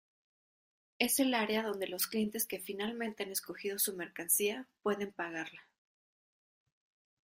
Es el área donde los clientes que finalmente han escogido su mercancía, pueden pagarla.